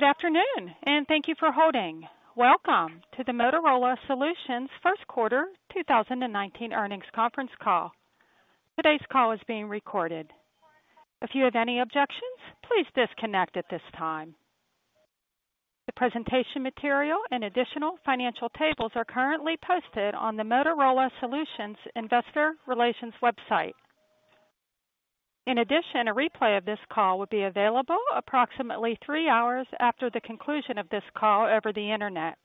Good afternoon, and thank you for holding. Welcome to the Motorola Solutions First Quarter 2019 Earnings Conference Call. Today's call is being recorded. If you have any objections, please disconnect at this time. The presentation material and additional financial tables are currently posted on the Motorola Solutions Investor Relations website. In addition, a replay of this call will be available approximately 3 hours after the conclusion of this call over the Internet.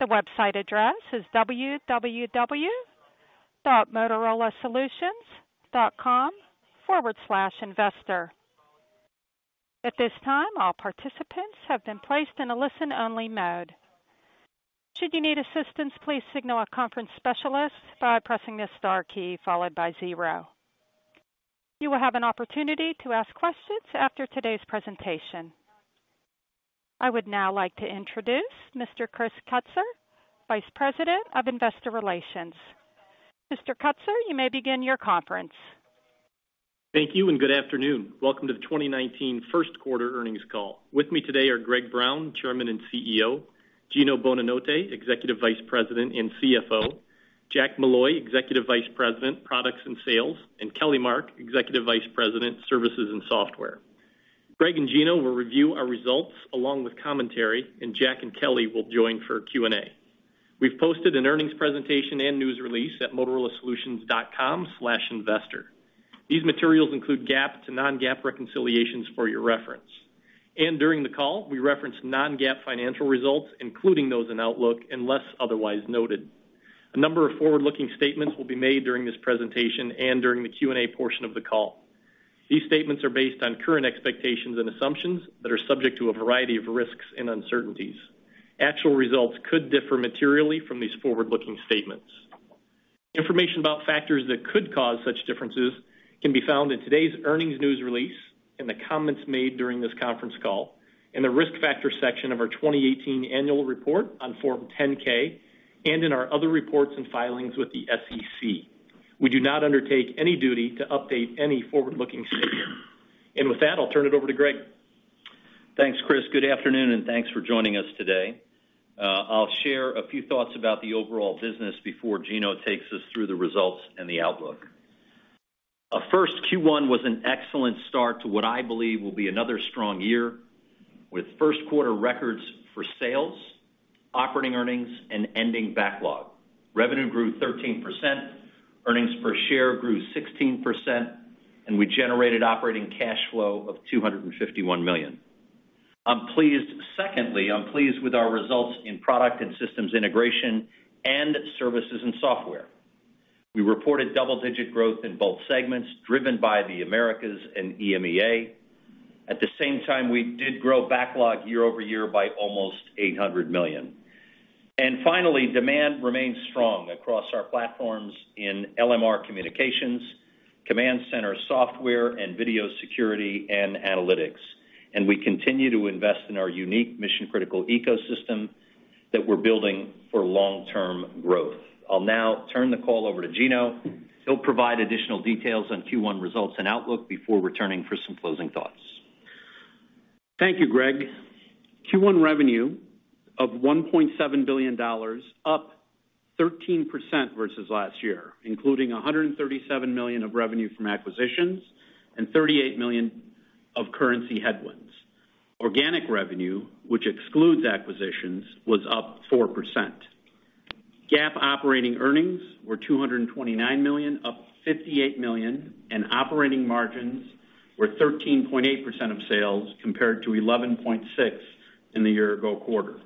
The website address is www.motorolasolutions.com/investor. At this time, all participants have been placed in a listen-only mode. Should you need assistance, please signal a conference specialist by pressing the star key followed by zero. You will have an opportunity to ask questions after today's presentation. I would now like to introduce Mr. Chris Kutsor, Vice President of Investor Relations. Mr. Kutsor, you may begin your conference. Thank you, and good afternoon. Welcome to the 2019 first quarter earnings call. With me today are Greg Brown, Chairman and CEO; Gino Bonanotte, Executive Vice President and CFO; Jack Molloy, Executive Vice President, Products and Sales; and Kelly Mark, Executive Vice President, Services and Software. Greg and Gino will review our results along with commentary, and Jack and Kelly will join for Q&A. We've posted an earnings presentation and news release at motorolasolutions.com/investor. These materials include GAAP to non-GAAP reconciliations for your reference. During the call, we reference non-GAAP financial results, including those in Outlook, unless otherwise noted. A number of forward-looking statements will be made during this presentation and during the Q&A portion of the call. These statements are based on current expectations and assumptions that are subject to a variety of risks and uncertainties. Actual results could differ materially from these forward-looking statements. Information about factors that could cause such differences can be found in today's earnings news release, in the comments made during this conference call, in the Risk Factors section of our 2018 annual report on Form 10-K, and in our other reports and filings with the SEC. We do not undertake any duty to update any forward-looking statement. With that, I'll turn it over to Greg. Thanks, Chris. Good afternoon, and thanks for joining us today. I'll share a few thoughts about the overall business before Gino takes us through the results and the outlook. Our first Q1 was an excellent start to what I believe will be another strong year, with first quarter records for sales, operating earnings, and ending backlog. Revenue grew 13%, earnings per share grew 16%, and we generated operating cash flow of $251 million. I'm pleased—secondly, I'm pleased with our results in Products and Systems Integration and Services and Software. We reported double-digit growth in both segments, driven by the Americas and EMEA. At the same time, we did grow backlog year-over-year by almost $800 million. And finally, demand remains strong across our platforms in LMR communications, command center software, and video security and analytics, and we continue to invest in our unique mission-critical ecosystem that we're building for long-term growth. I'll now turn the call over to Gino. He'll provide additional details on Q1 results and outlook before returning for some closing thoughts. Thank you, Greg. Q1 revenue of $1.7 billion, up 13% versus last year, including $137 million of revenue from acquisitions and $38 million of currency headwinds. Organic revenue, which excludes acquisitions, was up 4%. GAAP operating earnings were $229 million, up $58 million, and operating margins were 13.8% of sales, compared to 11.6% in the year-ago quarter.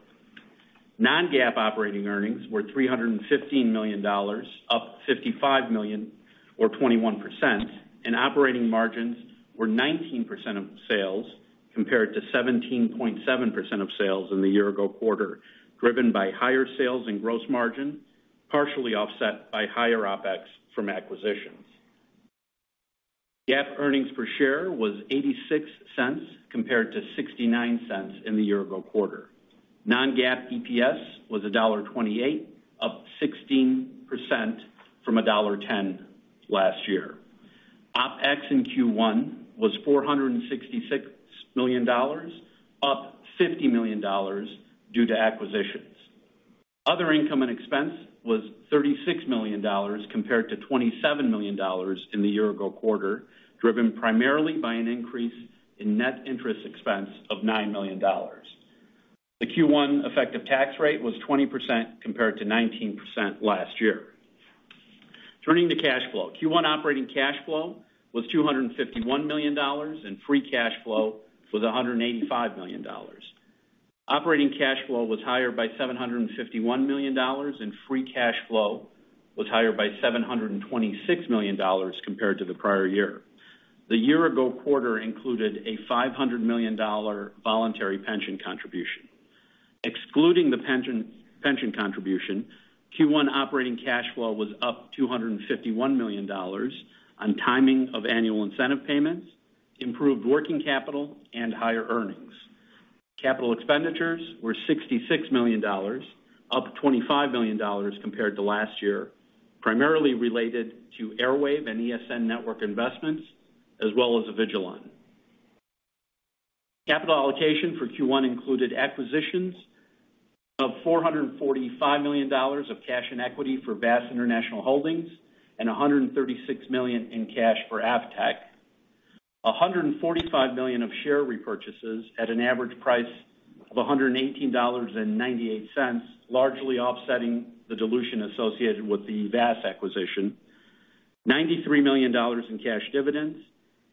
Non-GAAP operating earnings were $315 million, up $55 million or 21%, and operating margins were 19% of sales, compared to 17.7% of sales in the year-ago quarter, driven by higher sales and gross margin, partially offset by higher OpEx from acquisitions. GAAP earnings per share was $0.86, compared to $0.69 in the year-ago quarter. Non-GAAP EPS was $1.28, up 16% from $1.10 last year. OpEx in Q1 was $466 million, up $50 million due to acquisitions. Other income and expense was $36 million, compared to $27 million in the year-ago quarter, driven primarily by an increase in net interest expense of $9 million. The Q1 effective tax rate was 20%, compared to 19% last year. Turning to cash flow. Q1 operating cash flow was $251 million, and free cash flow was $185 million. Operating cash flow was higher by $751 million, and free cash flow was higher by $726 million compared to the prior year. The year-ago quarter included a $500 million voluntary pension contribution. Excluding the pension, pension contribution, Q1 operating cash flow was up $251 million on timing of annual incentive payments, improved working capital, and higher earnings. Capital expenditures were $66 million, up $25 million compared to last year, primarily related to Airwave and ESN network investments, as well as Avigilon. Capital allocation for Q1 included acquisitions of $445 million of cash and equity for VaaS International Holdings, and $136 million in cash for Avtec. $145 million of share repurchases at an average price of $118.98, largely offsetting the dilution associated with the VaaS acquisition. $93 million in cash dividends,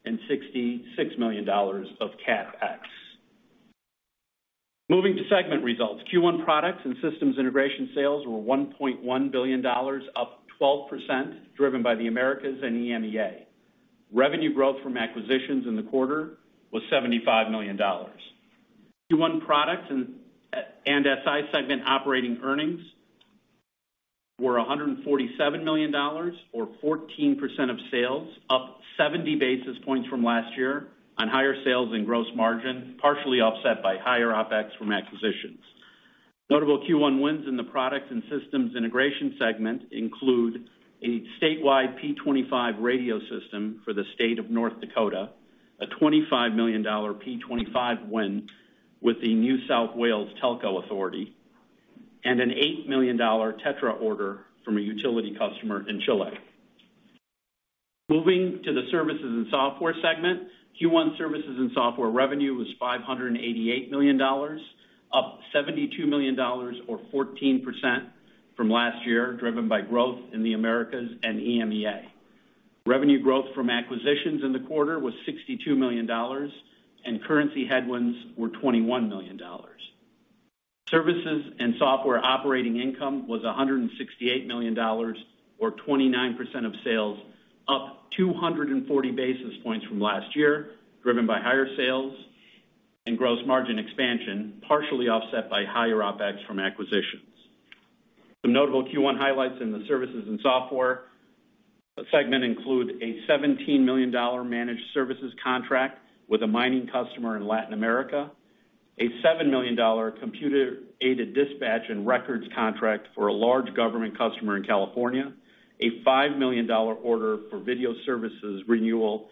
and $66 million of CapEx. Moving to segment results, Q1 Products and Systems Integration sales were $1.1 billion, up 12%, driven by the Americas and EMEA. Revenue growth from acquisitions in the quarter was $75 million. Q1 Products and SI segment operating earnings were $147 million, or 14% of sales, up 70 basis points from last year on higher sales and gross margin, partially offset by higher OpEx from acquisitions. Notable Q1 wins in the product and systems integration segment include a statewide P25 radio system for the State of North Dakota, a $25 million P25 win with the New South Wales Telco Authority, and an $8 million TETRA order from a utility customer in Chile. Moving to the Services and Software segment, Q1 Services and Software revenue was $588 million, up $72 million or 14% from last year, driven by growth in the Americas and EMEA. Revenue growth from acquisitions in the quarter was $62 million, and currency headwinds were $21 million. Services and Software operating income was $168 million, or 29% of sales, up 240 basis points from last year, driven by higher sales and gross margin expansion, partially offset by higher OpEx from acquisitions. Some notable Q1 highlights in the Services and Software segment include a $17 million managed services contract with a mining customer in Latin America, a $7 million computer-aided dispatch and records contract for a large government customer in California, a $5 million order for video services renewal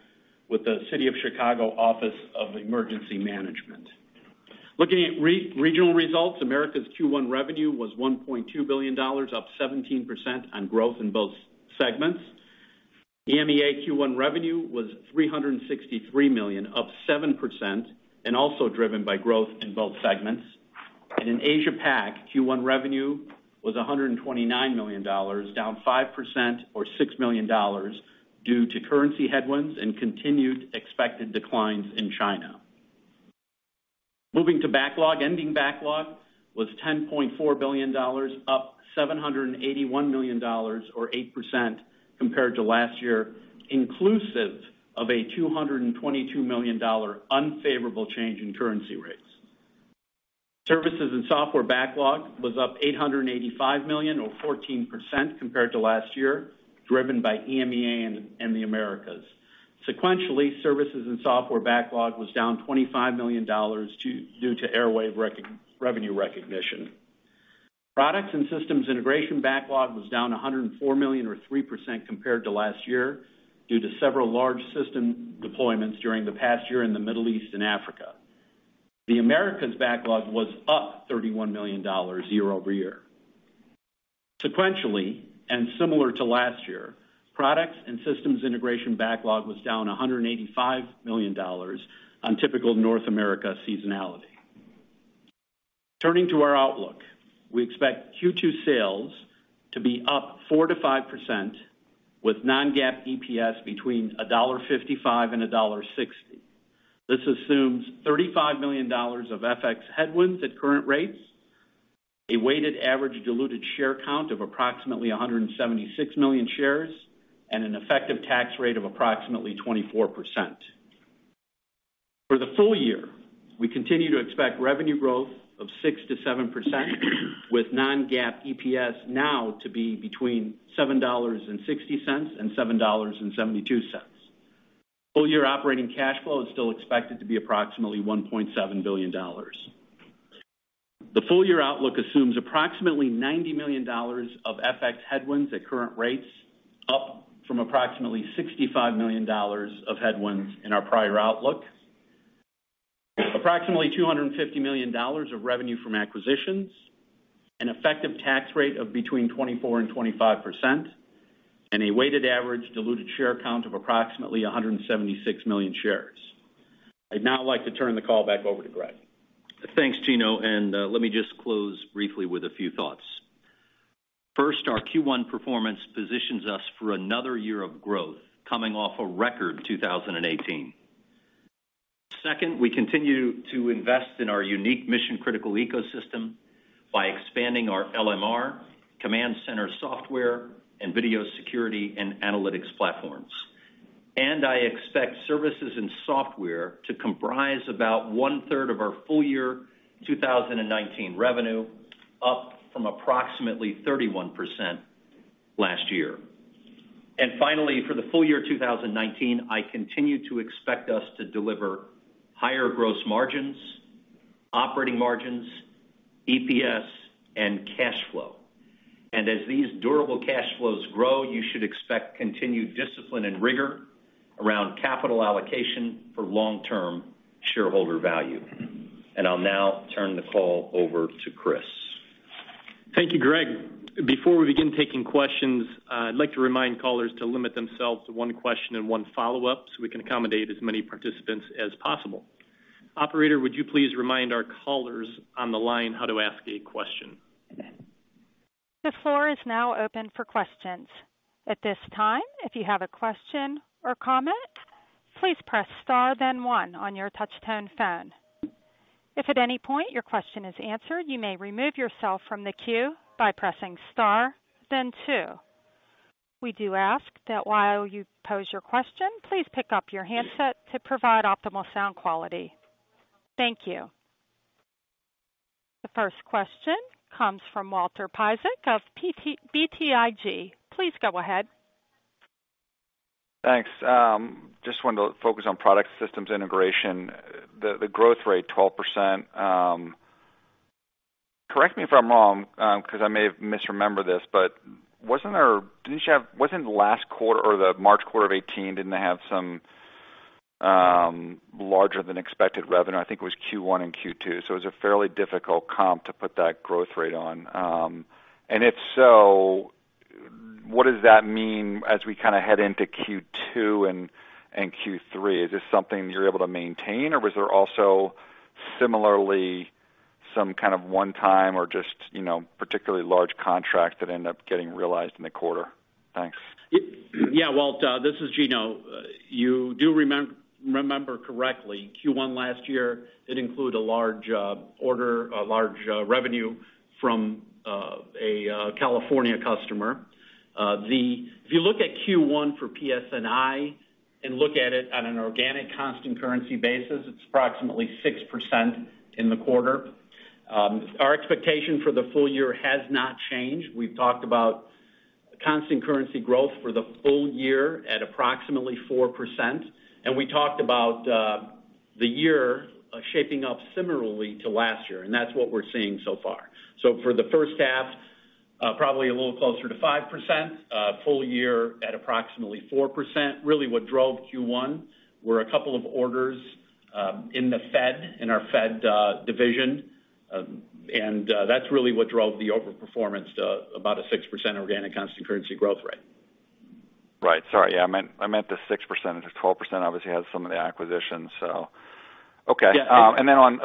with the City of Chicago Office of Emergency Management. Looking at regional results, Americas Q1 revenue was $1.2 billion, up 17% on growth in both segments. EMEA Q1 revenue was $363 million, up 7%, and also driven by growth in both segments. And in Asia-Pac, Q1 revenue was $129 million, down 5% or $6 million due to currency headwinds and continued expected declines in China. Moving to backlog. Ending backlog was $10.4 billion, up $781 million or 8% compared to last year, inclusive of a $222 million unfavorable change in currency rates. Services and Software backlog was up $885 million, or 14% compared to last year, driven by EMEA and the Americas. Sequentially, Services and Software backlog was down $25 million due to Airwave revenue recognition. Products and Systems Integration backlog was down $104 million, or 3% compared to last year, due to several large system deployments during the past year in the Middle East and Africa. The Americas backlog was up $31 million year-over-year. Sequentially, and similar to last year, Products and Systems Integration backlog was down $185 million on typical North America seasonality. Turning to our outlook, we expect Q2 sales to be up 4%-5%, with non-GAAP EPS between $1.55 and $1.60. This assumes $35 million of FX headwinds at current rates, a weighted average diluted share count of approximately 176 million shares, and an effective tax rate of approximately 24%. For the full year, we continue to expect revenue growth of 6%-7%, with non-GAAP EPS now to be between $7.60 and $7.72. Full year operating cash flow is still expected to be approximately $1.7 billion. The full year outlook assumes approximately $90 million of FX headwinds at current rates, up from approximately $65 million of headwinds in our prior outlook, approximately $250 million of revenue from acquisitions, an effective tax rate of between 24% and 25%, and a weighted average diluted share count of approximately 176 million shares. I'd now like to turn the call back over to Greg. Thanks, Gino, and let me just close briefly with a few thoughts. First, our Q1 performance positions us for another year of growth, coming off a record 2018. Second, we continue to invest in our unique mission-critical ecosystem by expanding our LMR, command center software, and video security and analytics platforms. And I expect Services and Software to comprise about 1/3 of our full year 2019 revenue, up from approximately 31% last year. And finally, for the full year 2019, I continue to expect us to deliver higher gross margins, operating margins, EPS, and cash flow. And as these durable cash flows grow, you should expect continued discipline and rigor around capital allocation for long-term shareholder value. And I'll now turn the call over to Chris. Thank you, Greg. Before we begin taking questions, I'd like to remind callers to limit themselves to one question and one follow-up, so we can accommodate as many participants as possible. Operator, would you please remind our callers on the line how to ask a question? The floor is now open for questions. At this time, if you have a question or comment, please press star then one on your touchtone phone. If at any point your question is answered, you may remove yourself from the queue by pressing star then two. We do ask that while you pose your question, please pick up your handset to provide optimal sound quality. Thank you. The first question comes from Walter Piecyk of BTIG. Please go ahead. Thanks. Just wanted to focus on product systems integration, the growth rate, 12%. Correct me if I'm wrong, because I may have misremembered this, but wasn't there, didn't you have-- wasn't the last quarter or the March quarter of 2018, didn't they have some larger than expected revenue? I think it was Q1 and Q2, so it's a fairly difficult comp to put that growth rate on. And if so, what does that mean as we kind of head into Q2 and Q3? Is this something you're able to maintain, or was there also similarly some kind of one time or just, you know, particularly large contract that ended up getting realized in the quarter? Thanks. Yeah, Walt, this is Gino. You do remember correctly. Q1 last year, it included a large order, a large revenue from a California customer. If you look at Q1 for PS&I and look at it on an organic constant currency basis, it's approximately 6% in the quarter. Our expectation for the full year has not changed. We've talked about constant currency growth for the full year at approximately 4%, and we talked about the year shaping up similarly to last year, and that's what we're seeing so far. So for the first half, probably a little closer to 5%, full year at approximately 4%. Really what drove Q1 were a couple of orders in the Fed, in our Fed division, and that's really what drove the overperformance to about a 6% organic constant currency growth rate. Right. Sorry. Yeah, I meant, I meant the 6%. The 12% obviously has some of the acquisitions, so okay. Yeah. And then on-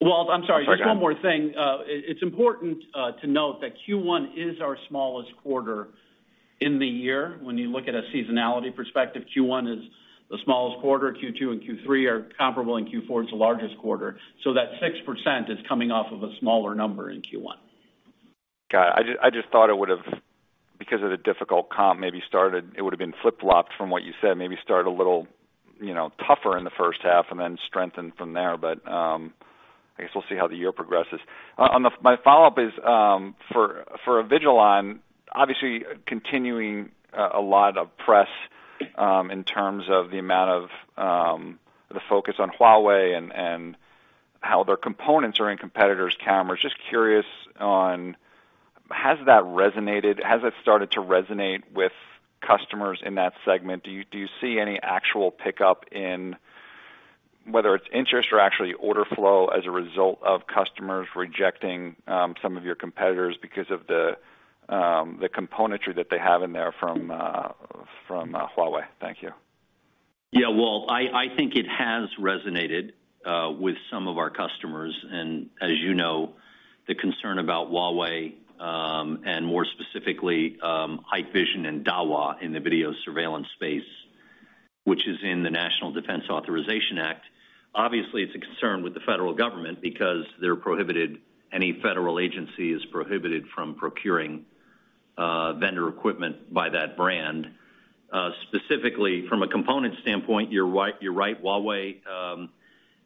Walt, I'm sorry, Sorry, go ahead. Just one more thing. It's important to note that Q1 is our smallest quarter in the year. When you look at a seasonality perspective, Q1 is the smallest quarter. Q2 and Q3 are comparable, and Q4 is the largest quarter. So that 6% is coming off of a smaller number in Q1. Got it. I just thought it would have, because of the difficult comp, maybe started. It would have been flip-flopped from what you said, maybe start a little, you know, tougher in the first half and then strengthen from there. But, I guess we'll see how the year progresses. On the—my follow-up is, for Avigilon, obviously continuing a lot of press in terms of the amount of the focus on Huawei and how their components are in competitors' cameras. Just curious on, has that resonated? Has it started to resonate with customers in that segment? Do you see any actual pickup in whether it's interest or actually order flow as a result of customers rejecting some of your competitors because of the componentry that they have in there from Huawei? Thank you. Yeah, Walt, I think it has resonated with some of our customers. And as you know, the concern about Huawei and more specifically, Hikvision and Dahua in the video surveillance space, which is in the National Defense Authorization Act. Obviously, it's a concern with the federal government because they're prohibited, any federal agency is prohibited from procuring vendor equipment by that brand. Specifically, from a component standpoint, you're right, you're right, Huawei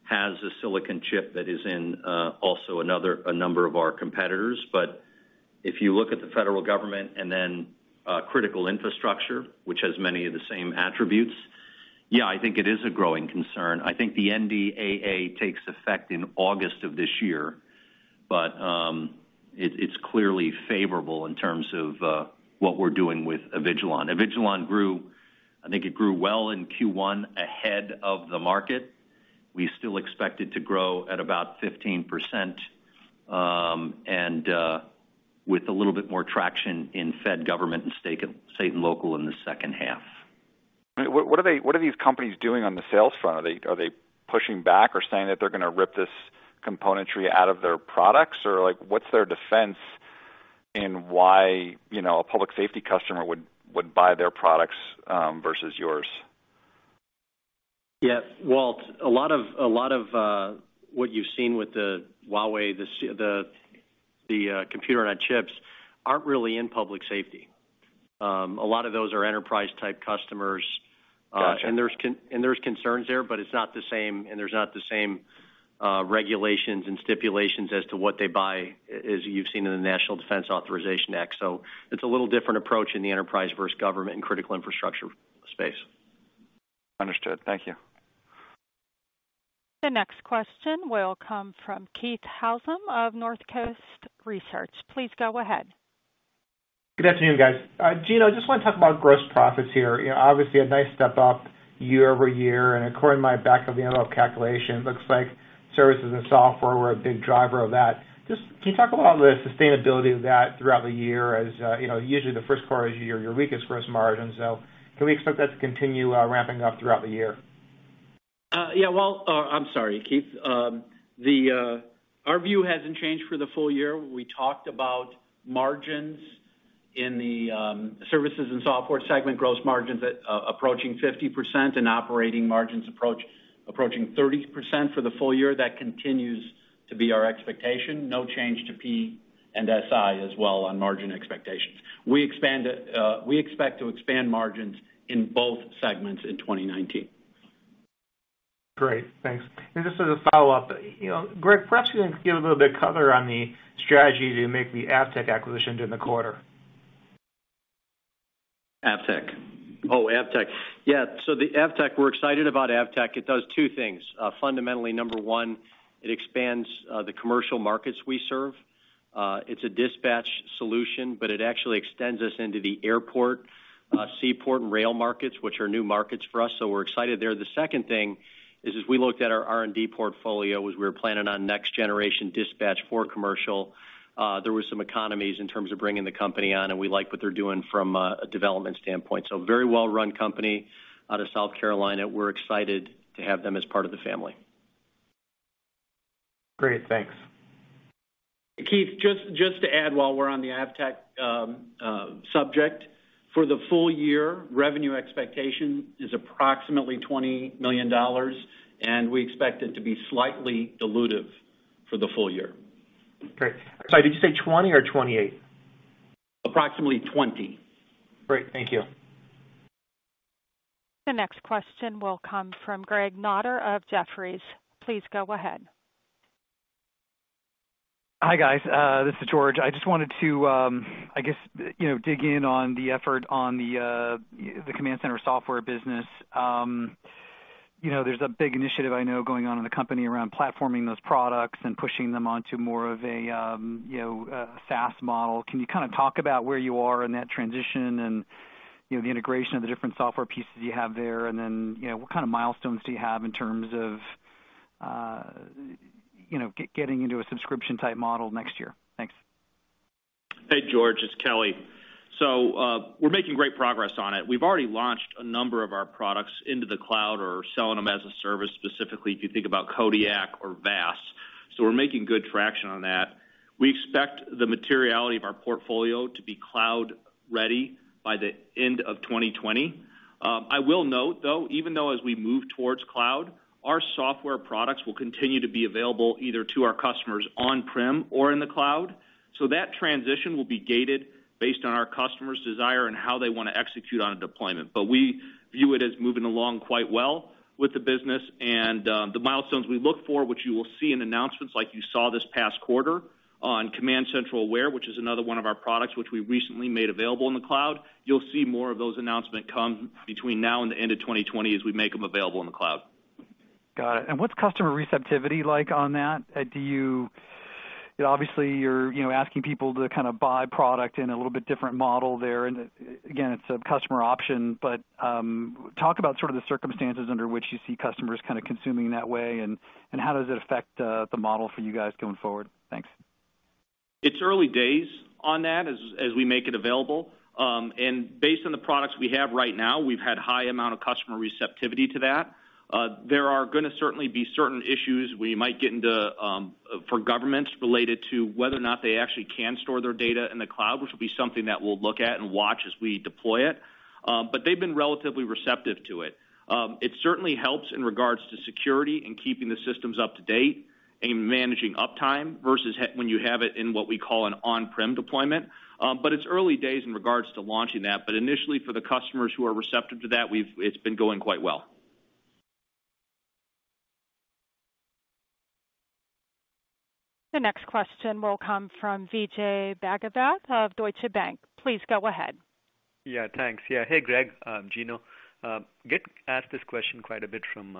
has a silicon chip that is in also another, a number of our competitors. But if you look at the federal government and then critical infrastructure, which has many of the same attributes, yeah, I think it is a growing concern. I think the NDAA takes effect in August of this year, but it's clearly favorable in terms of what we're doing with Avigilon. Avigilon grew, I think it grew well in Q1 ahead of the market. We still expect it to grow at about 15%, and with a little bit more traction in Fed government and state and local in the second half. What, what are they—what are these companies doing on the sales front? Are they, are they pushing back or saying that they're going to rip this componentry out of their products? Or, like, what's their defense in why, you know, a public safety customer would, would buy their products versus yours? Yeah, Walt, a lot of what you've seen with the Huawei, the competitor chips, aren't really in public safety. A lot of those are enterprise-type customers-... and there's concerns there, but it's not the same, and there's not the same, regulations and stipulations as to what they buy as you've seen in the National Defense Authorization Act. So it's a little different approach in the enterprise versus government and critical infrastructure space. Understood. Thank you. The next question will come from Keith Housum of Northcoast Research. Please go ahead. Good afternoon, guys. Gino, I just want to talk about gross profits here. You know, obviously, a nice step up year-over-year, and according to my back-of-the-envelope calculation, looks like Services and Software were a big driver of that. Just can you talk about the sustainability of that throughout the year as, you know, usually the first quarter is your weakest gross margin, so can we expect that to continue ramping up throughout the year? Yeah, well, I'm sorry, Keith. The our view hasn't changed for the full year. We talked about margins in the Services and Software segment, gross margins at approaching 50% and operating margins approaching 30% for the full year. That continues to be our expectation. No change to P&SI as well on margin expectations. We expect to expand margins in both segments in 2019. Great, thanks. Just as a follow-up, you know, Greg, perhaps you can give a little bit of color on the strategy to make the Avtec acquisition during the quarter. Avtec. Oh, Avtec. Yeah, so the Avtec, we're excited about Avtec. It does two things. Fundamentally, number one, it expands the commercial markets we serve. It's a dispatch solution, but it actually extends us into the airport, seaport, and rail markets, which are new markets for us, so we're excited there. The second thing is, as we looked at our R&D portfolio, as we were planning on next-generation dispatch for commercial, there were some economies in terms of bringing the company on, and we like what they're doing from a development standpoint. So very well-run company out of South Carolina. We're excited to have them as part of the family. Great, thanks. Keith, just to add, while we're on the Avtec subject, for the full year, revenue expectation is approximately $20 million, and we expect it to be slightly dilutive for the full year. Great. Sorry, did you say $20 million or $28 million? Approximately $20 million. Great, thank you. The next question will come from George Notter of Jefferies. Please go ahead. Hi, guys. This is George. I just wanted to, I guess, you know, dig in on the effort on the command center software business. You know, there's a big initiative I know, going on in the company around platforming those products and pushing them onto more of a, you know, a SaaS model. Can you kind of talk about where you are in that transition and, you know, the integration of the different software pieces you have there? And then, you know, what kind of milestones do you have in terms of, you know, getting into a subscription-type model next year? Thanks. Hey, George, it's Kelly. So, we're making great progress on it. We've already launched a number of our products into the cloud or selling them as a service, specifically, if you think about Kodiak or VaaS. So we're making good traction on that. We expect the materiality of our portfolio to be cloud ready by the end of 2020. I will note, though, even though as we move towards cloud, our software products will continue to be available either to our customers on-prem or in the cloud. So that transition will be gated based on our customer's desire and how they want to execute on a deployment. But we view it as moving along quite well with the business and the milestones we look for, which you will see in announcements like you saw this past quarter on CommandCentral Aware, which is another one of our products, which we recently made available in the cloud. You'll see more of those announcements come between now and the end of 2020 as we make them available in the cloud. Got it. And what's customer receptivity like on that? Obviously, you're, you know, asking people to kind of buy product in a little bit different model there, and again, it's a customer option, but, talk about sort of the circumstances under which you see customers kind of consuming that way, and, and how does it affect the model for you guys going forward? Thanks. It's early days on that as we make it available, and based on the products we have right now, we've had high amount of customer receptivity to that. There are going to certainly be certain issues we might get into, for governments related to whether or not they actually can store their data in the cloud, which will be something that we'll look at and watch as we deploy it. But they've been relatively receptive to it. It certainly helps in regards to security and keeping the systems up to date and managing uptime versus when you have it in what we call an on-prem deployment. But it's early days in regards to launching that, but initially, for the customers who are receptive to that, we've it's been going quite well. The next question will come from Vijay Bhagavath of Deutsche Bank. Please go ahead. Yeah, thanks. Yeah. Hey, Greg, Gino, get asked this question quite a bit from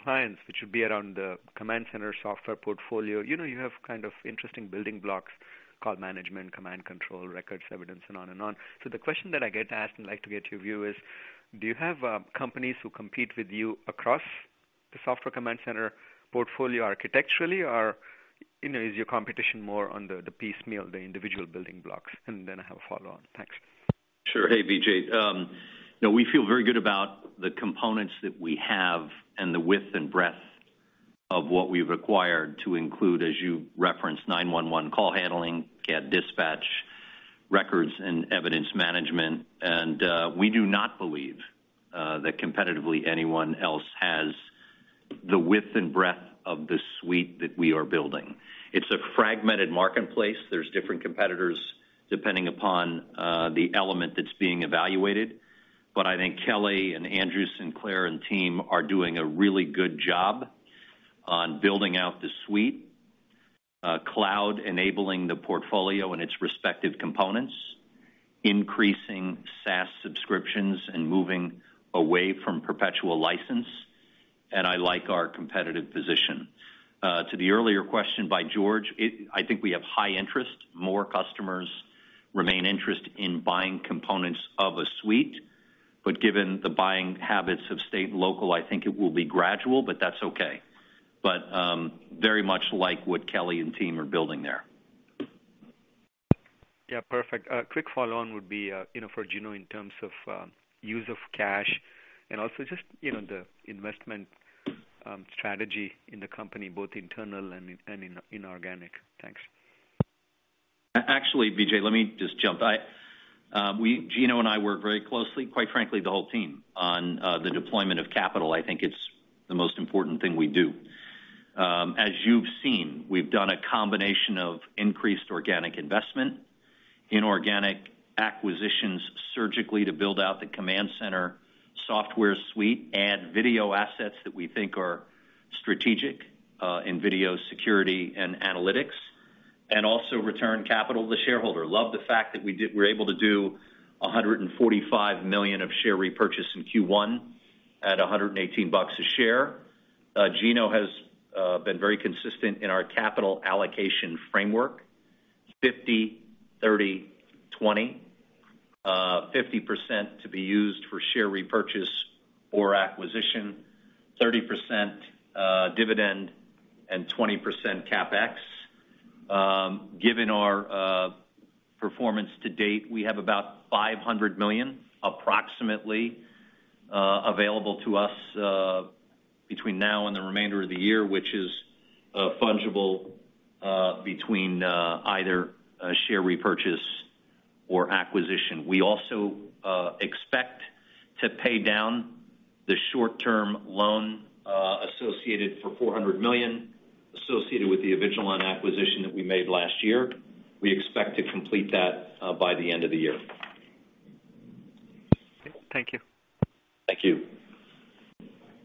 clients, which would be around the command center software portfolio. You know, you have kind of interesting building blocks called management, command control, records, evidence, and on and on. So the question that I get asked, and I'd like to get your view, is: Do you have companies who compete with you across the software command center portfolio architecturally, or, you know, is your competition more on the piecemeal, the individual building blocks? And then I have a follow-on. Thanks. Sure. Hey, Vijay. You know, we feel very good about the components that we have and the width and breadth of what we've acquired to include, as you referenced, 911 call handling, CAD dispatch, records and evidence management, and we do not believe that competitively anyone else has... the width and breadth of the suite that we are building. It's a fragmented marketplace. There's different competitors, depending upon, the element that's being evaluated. But I think Kelly and Andrew Sinclair, and team are doing a really good job on building out the suite, cloud-enabling the portfolio and its respective components, increasing SaaS subscriptions, and moving away from perpetual license, and I like our competitive position. To the earlier question by George, I think we have high interest. More customers remain interested in buying components of a suite. But given the buying habits of state and local, I think it will be gradual, but that's okay. But, very much like what Kelly and team are building there. Yeah, perfect. Quick follow-on would be, you know, for Gino, in terms of use of cash, and also just, you know, the investment strategy in the company, both internal and inorganic. Thanks. Actually, Vijay, let me just jump. We, Gino and I work very closely, quite frankly, the whole team, on the deployment of capital. I think it's the most important thing we do. As you've seen, we've done a combination of increased organic investment, inorganic acquisitions, surgically to build out the command center software suite and video assets that we think are strategic in video security and analytics, and also return capital to shareholder. Love the fact that we're able to do $145 million of share repurchase in Q1 at $118 a share. Gino has been very consistent in our capital allocation framework, 50%, 30%, 20%. 50% to be used for share repurchase or acquisition, 30% dividend, and 20% CapEx. Given our performance to date, we have about $500 million, approximately, available to us between now and the remainder of the year, which is fungible between either a share repurchase or acquisition. We also expect to pay down the short-term loan associated for $400 million, associated with the Avigilon acquisition that we made last year. We expect to complete that by the end of the year. Thank you. Thank you.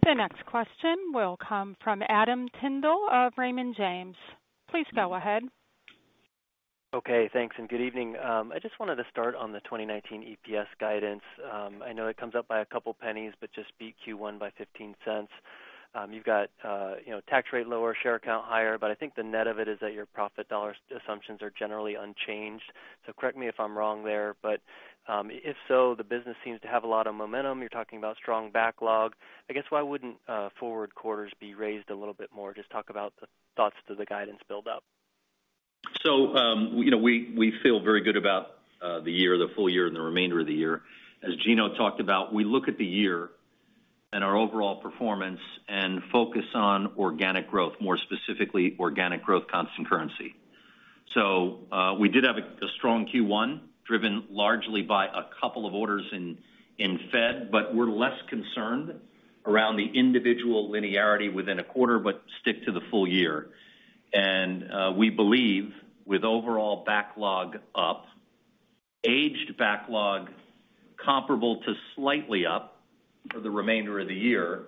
The next question will come from Adam Tindle of Raymond James. Please go ahead. Okay, thanks, and good evening. I just wanted to start on the 2019 EPS guidance. I know it comes up by a couple pennies, but just beat Q1 by $0.15. You've got, you know, tax rate lower, share count higher, but I think the net of it is that your profit dollar assumptions are generally unchanged. So correct me if I'm wrong there, but, if so, the business seems to have a lot of momentum. You're talking about strong backlog. I guess, why wouldn't forward quarters be raised a little bit more? Just talk about the thoughts to the guidance build-up. So, you know, we feel very good about the year, the full year and the remainder of the year. As Gino talked about, we look at the year and our overall performance and focus on organic growth, more specifically, organic growth, constant currency. So, we did have a strong Q1, driven largely by a couple of orders in Fed, but we're less concerned around the individual linearity within a quarter, but stick to the full year. And, we believe with overall backlog up, aged backlog comparable to slightly up for the remainder of the year,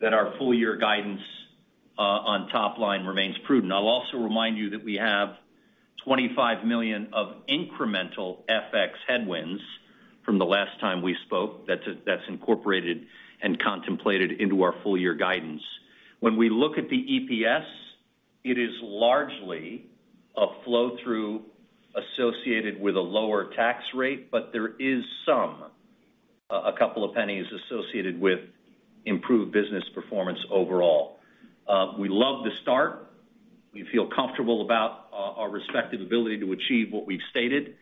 that our full year guidance on top line remains prudent. I'll also remind you that we have $25 million of incremental FX headwinds from the last time we spoke. That's incorporated and contemplated into our full year guidance. When we look at the EPS, it is largely a flow-through associated with a lower tax rate, but there is some, a couple of pennies associated with improved business performance overall. We love the start. We feel comfortable about our, our respective ability to achieve what we've stated,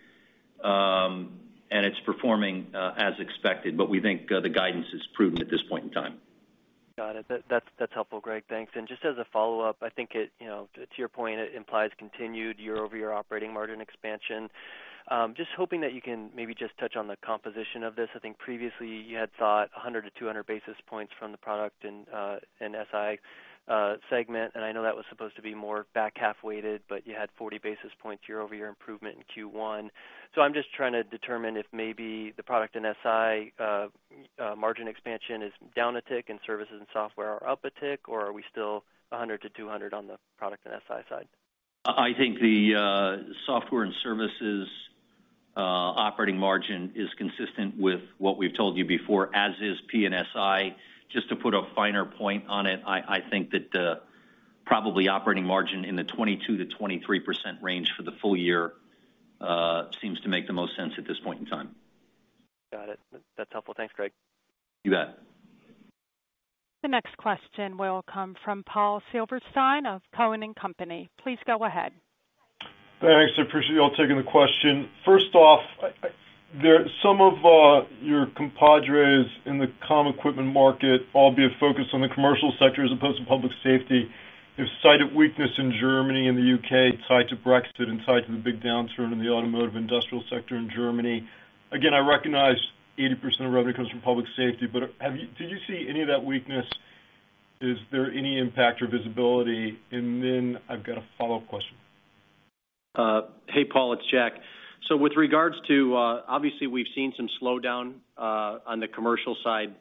and it's performing, as expected, but we think, the guidance is prudent at this point in time. Got it. That's helpful, Greg. Thanks. And just as a follow-up, I think it, you know, to your point, it implies continued year-over-year operating margin expansion. Just hoping that you can maybe just touch on the composition of this. I think previously, you had thought 100-200 basis points from the Product and, and SI, margin expansion, and I know that was supposed to be more back half-weighted, but you had 40 basis points year-over-year improvement in Q1. So I'm just trying to determine if maybe the Products and SI, margin expansion is down a tick, and Services and Software are up a tick, or are we still 100-200 on the Product and SI side? I think the software and services operating margin is consistent with what we've told you before, as is P&SI. Just to put a finer point on it, I think that probably operating margin in the 22%-23% range for the full year seems to make the most sense at this point in time. Got it. That's helpful. Thanks, Greg. You bet. The next question will come from Paul Silverstein of Cowen and Company. Please go ahead. Thanks. I appreciate you all taking the question. First off, some of your compadres in the comm equipment market, albeit focused on the commercial sector as opposed to public safety, have cited weakness in Germany and the U.K., tied to Brexit and tied to the big downturn in the automotive industrial sector in Germany. Again, I recognize 80% of revenue comes from public safety, but have you... Did you see any of that weakness? Is there any impact or visibility? And then I've got a follow-up question.... Hey, Paul, it's Jack. So with regards to, obviously, we've seen some slowdown on the commercial side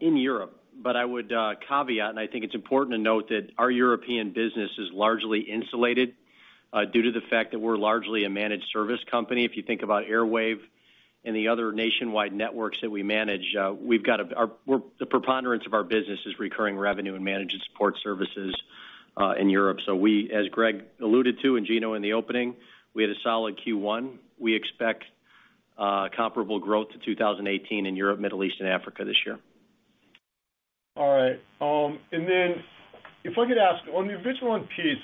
in Europe, but I would caveat, and I think it's important to note that our European business is largely insulated due to the fact that we're largely a managed service company. If you think about Airwave and the other nationwide networks that we manage, we've got the preponderance of our business is recurring revenue and managed support services in Europe. So we, as Greg alluded to, and Gino in the opening, we had a solid Q1. We expect comparable growth to 2018 in Europe, Middle East, and Africa this year. All right. And then if I could ask, on the Avigilon piece,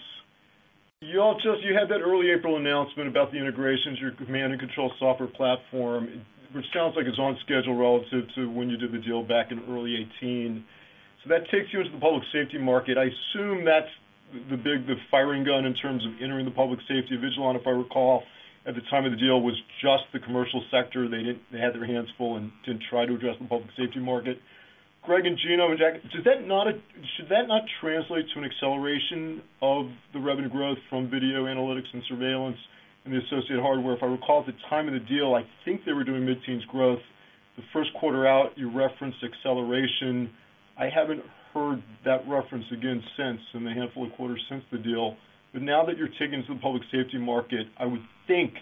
you all just... You had that early April announcement about the integrations, your command and control software platform, which sounds like it's on schedule relative to when you did the deal back in early 2018. So that takes you into the public safety market. I assume that's the, the big, the firing gun in terms of entering the public safety. Avigilon, if I recall, at the time of the deal, was just the commercial sector. They didn't- they had their hands full and didn't try to address the public safety market. Greg, and Gino, and Jack, does that not a- should that not translate to an acceleration of the revenue growth from video analytics and surveillance and the associated hardware? If I recall, at the time of the deal, I think they were doing mid-teens growth. The first quarter out, you referenced acceleration. I haven't heard that reference again since, in the handful of quarters since the deal. But now that you're taking to the public safety market, I would think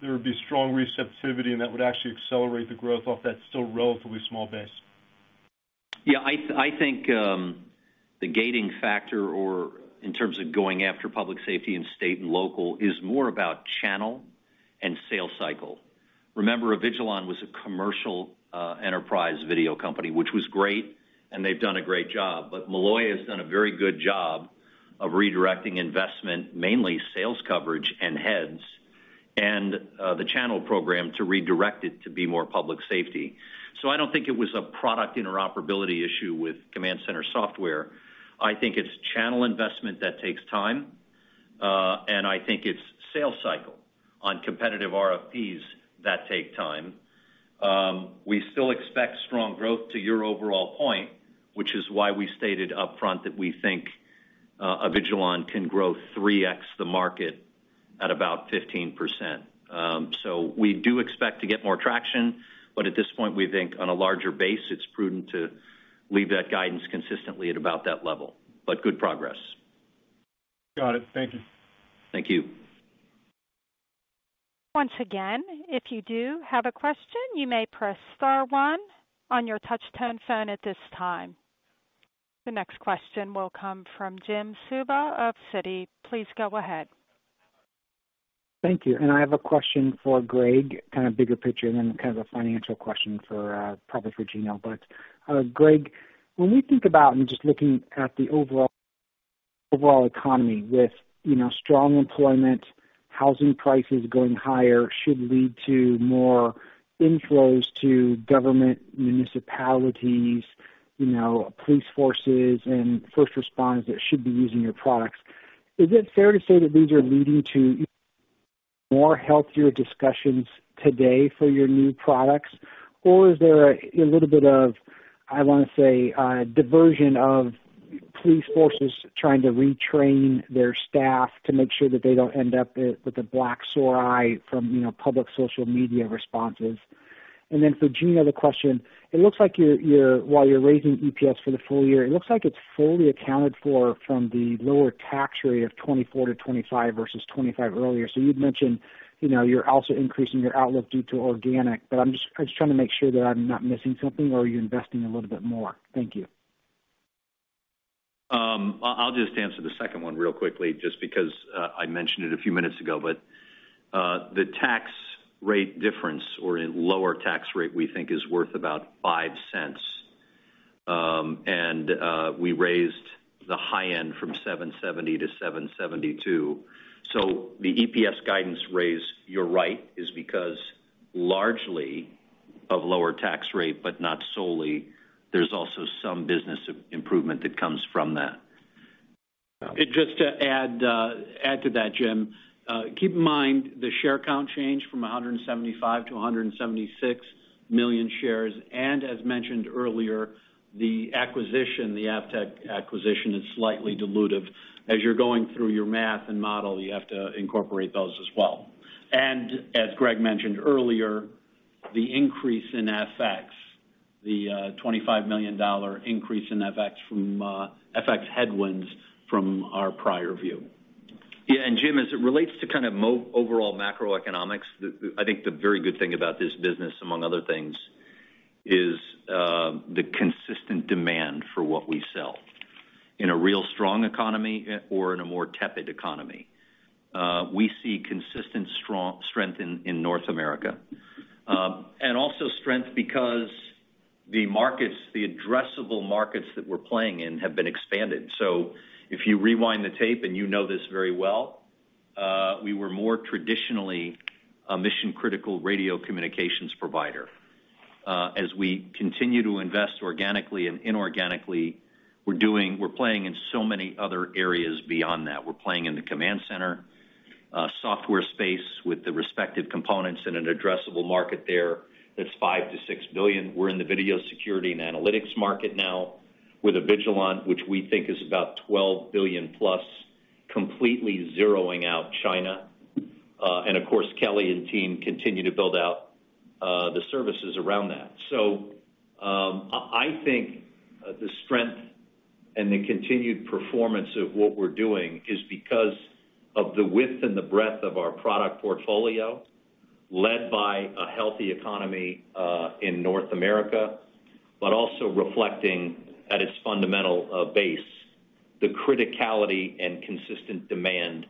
there would be strong receptivity, and that would actually accelerate the growth off that still relatively small base. Yeah, I think the gating factor, or in terms of going after public safety and state and local, is more about channel and sales cycle. Remember, Avigilon was a commercial enterprise video company, which was great, and they've done a great job, but Molloy has done a very good job of redirecting investment, mainly sales coverage and heads, and the channel program to redirect it to be more public safety. So I don't think it was a product interoperability issue with command center software. I think it's channel investment that takes time, and I think it's sales cycle on competitive RFPs that take time. We still expect strong growth to your overall point, which is why we stated upfront that we think Avigilon can grow 3x the market at about 15%. So, we do expect to get more traction, but at this point, we think on a larger base, it's prudent to leave that guidance consistently at about that level. But good progress. Got it. Thank you. Thank you. Once again, if you do have a question, you may press star one on your touchtone phone at this time. The next question will come from Jim Suva of Citi. Please go ahead. Thank you. I have a question for Greg, kind of bigger picture, then kind of a financial question for, probably for Gino. But, Greg, when we think about, and just looking at the overall, overall economy with, you know, strong employment, housing prices going higher, should lead to more inflows to government, municipalities, you know, police forces and first responders that should be using your products. Is it fair to say that these are leading to more healthier discussions today for your new products? Or is there a, a little bit of, I want to say, diversion of police forces trying to retrain their staff to make sure that they don't end up with, with a black eye from, you know, public social media responses? Then for Gino, the question: It looks like you're, while you're raising EPS for the full year, it looks like it's fully accounted for from the lower tax rate of 24%-25% versus 25% earlier. So you'd mentioned, you know, you're also increasing your outlook due to organic, but I'm just trying to make sure that I'm not missing something, or are you investing a little bit more? Thank you. I'll just answer the second one real quickly, just because I mentioned it a few minutes ago, but the tax rate difference or in lower tax rate, we think is worth about $0.05. And we raised the high end from $7.70-$7.72. So the EPS guidance raise, you're right, is because largely of lower tax rate, but not solely. There's also some business improvement that comes from that. And just to add, add to that, Jim, keep in mind the share count changed from 175-176 million shares, and as mentioned earlier, the acquisition, the Avtec acquisition, is slightly dilutive. As you're going through your math and model, you have to incorporate those as well. And as Greg mentioned earlier, the increase in FX, the $25 million increase in FX from FX headwinds from our prior view. Yeah, and Jim, as it relates to overall macroeconomics, I think the very good thing about this business, among other things, is the consistent demand for what we sell. In a real strong economy or in a more tepid economy, we see consistent strength in North America. And also strength because the markets, the addressable markets that we're playing in, have been expanded. So if you rewind the tape, and you know this very well, we were more traditionally a mission-critical radio communications provider. As we continue to invest organically and inorganically, we're playing in so many other areas beyond that. We're playing in the command center software space with the respective components in an addressable market there, that's $5 billion-$6 billion. We're in the video security and analytics market now. with Avigilon, which we think is about $12 billion plus, completely zeroing out China. And of course, Kelly and team continue to build out, the services around that. So, I, I think the strength and the continued performance of what we're doing is because of the width and the breadth of our product portfolio, led by a healthy economy, in North America, but also reflecting at its fundamental, base, the criticality and consistent demand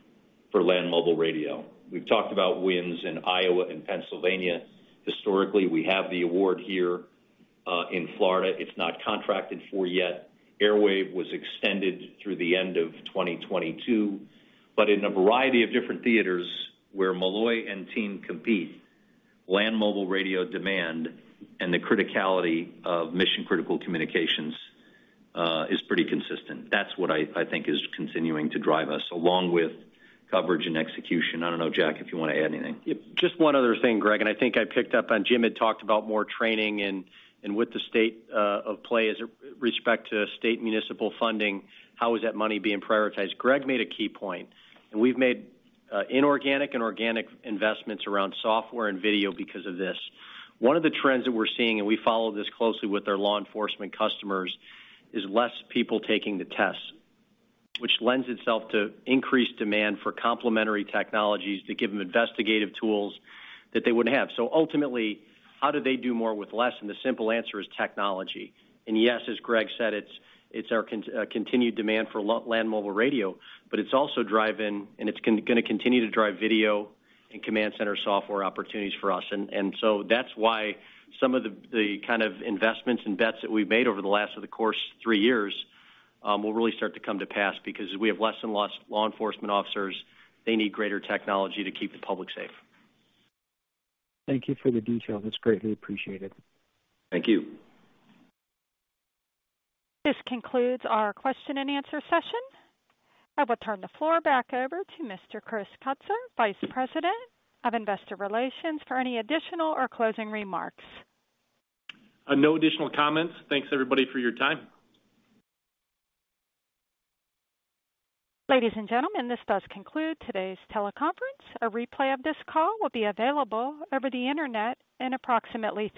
for land mobile radio. We've talked about wins in Iowa and Pennsylvania. Historically, we have the award here, in Florida. It's not contracted for yet. Airwave was extended through the end of 2022. But in a variety of different theaters where Molloy and team compete, land mobile radio demand and the criticality of mission-critical communications, is pretty consistent. That's what I think is continuing to drive us, along with coverage and execution. I don't know, Jack, if you want to add anything. Yep, just one other thing, Greg, and I think I picked up on Jim had talked about more training and, and with the state of play with respect to state municipal funding, how is that money being prioritized? Greg made a key point, and we've made inorganic and organic investments around software and video because of this. One of the trends that we're seeing, and we follow this closely with our law enforcement customers, is less people taking the test, which lends itself to increased demand for complementary technologies to give them investigative tools that they wouldn't have. So ultimately, how do they do more with less? And the simple answer is technology. And yes, as Greg said, it's our continued demand for land mobile radio, but it's also driving, and it's going to continue to drive video and command center software opportunities for us. And so that's why some of the kind of investments and bets that we've made over the course of the last three years will really start to come to pass. Because we have less and less law enforcement officers, they need greater technology to keep the public safe. Thank you for the detail. That's greatly appreciated. Thank you. This concludes our question-and-answer session. I will turn the floor back over to Mr. Chris Kutsor, Vice President of Investor Relations, for any additional or closing remarks. No additional comments. Thanks, everybody, for your time. Ladies and gentlemen, this does conclude today's teleconference. A replay of this call will be available over the Internet in approximately three-